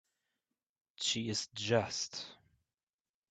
She is just.